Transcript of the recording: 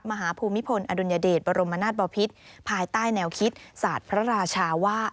ภูมิพลอดุลยเดชบรมนาศบอพิษภายใต้แนวคิดศาสตร์พระราชาว่า